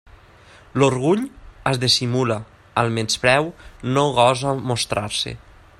L'orgull es dissimula; el menyspreu no gosa mostrar-se.